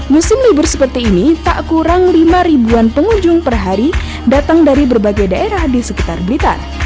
musim libur seperti ini tak kurang lima ribuan pengunjung per hari datang dari berbagai daerah di sekitar blitar